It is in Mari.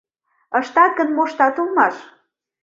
Ыштат гын, моштат улмаш.